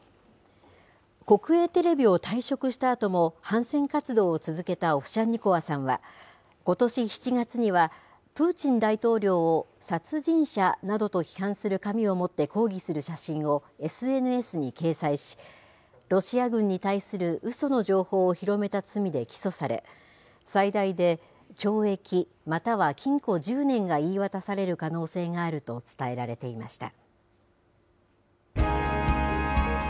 国営テレビを退職したあとも反戦活動を続けたオフシャンニコワさんは、ことし７月には、プーチン大統領を殺人者などと批判する紙を持って抗議する写真をＳＮＳに掲載し、ロシア軍に対するうその情報を広めた罪で起訴され、最大で懲役または禁錮１０年が言い渡される可能性があると伝えられていました。